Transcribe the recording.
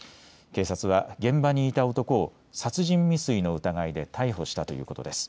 警察は現場にいた男を殺人未遂の疑いで逮捕したということです。